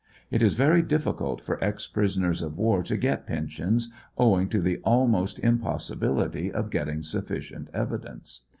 It is very dif ficult for ex prisoners of war to get pensions, owing to the almost impossibility of getting sufficient evidence.